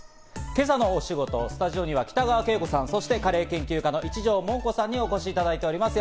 今朝の推しゴト、スタジオには北川景子さん、そしてカレー研究家の一条もんこさんにお越しいただいております。